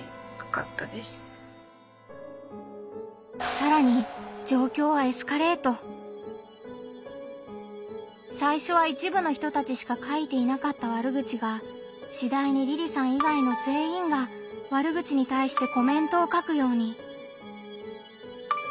さらに最初は一部の人たちしか書いていなかった悪口がしだいにりりさん以外の全員が悪口に対してコメントを書くように。